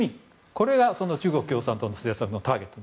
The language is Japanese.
これが中国共産党の政策のターゲット。